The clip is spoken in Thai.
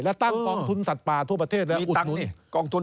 และตั้งกองทุนสัตว์ปลาทั่วประเทศแล้วอุดหนุน